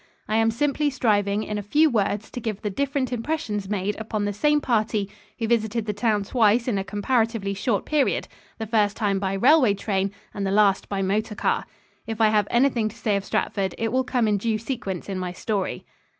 I am simply striving in a few words to give the different impressions made upon the same party who visited the town twice in a comparatively short period, the first time by railway train and the last by motor car. If I have anything to say of Stratford, it will come in due sequence in my story.